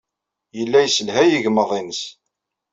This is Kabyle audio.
Yella yesselhay igmaḍ-nnes.